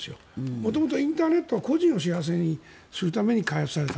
元々、インターネットは個人を幸せにするために開発された。